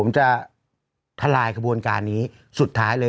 ผมจะทลายขบวนการนี้สุดท้ายเลย